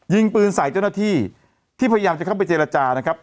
ยิงปืนใส่เจ้าหน้าที่ที่พยายามจะเข้าไปเจรจานะครับ